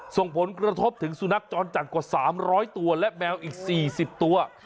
ส่งผลกระทบถึงสุนัขจรจัดกว่า๓๐๐ตัวและแมวอีก๔๐ตัว